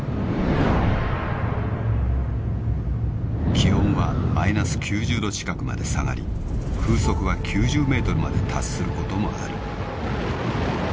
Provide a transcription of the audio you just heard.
［気温はマイナス９０℃近くまで下がり風速は９０メートルまで達することもある］